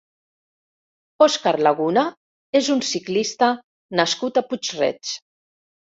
Óscar Laguna és un ciclista nascut a Puig-reig.